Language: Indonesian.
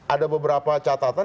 ada beberapa catatan